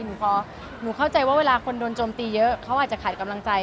หนูพอหนูเข้าใจว่าเวลาคนโดนโจมตีเยอะเขาอาจจะขาดกำลังใจ